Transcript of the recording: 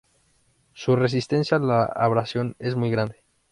Su resistencia a la abrasión es muy grande.